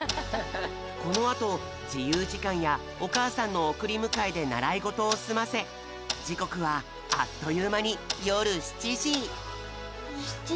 このあとじゆうじかんやおかあさんのおくりむかえでならいごとをすませじこくはあっというまによる７じ。